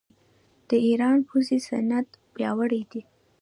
د ایران پوځي صنعت پیاوړی دی.